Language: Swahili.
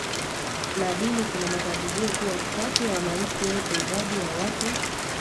na dini kuna makadirio kuwa kati ya wananchi wote Idadi ya watu